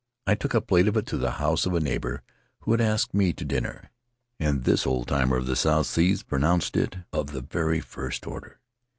I took a plate of it to the house of a neighbor who had asked me to dinner, and this old timer in the South Seas pronounced it of the very first order.